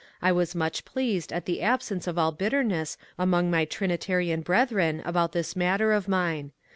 I was much pleased at the absence of all bitterness among my Trinitarian brethren about this matter of mine.